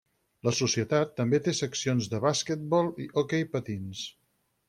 La societat també té seccions de basquetbol i hoquei patins.